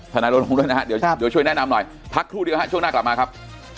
นายโรงด้วยนะฮะเดี๋ยวช่วยแนะนำหน่อยพักครู่เดียวฮะช่วงหน้ากลับมาครับ